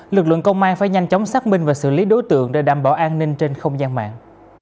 lực lượng công an phải nhanh chóng xác minh và xử lý đối tượng để đảm bảo an ninh trên không gian mạng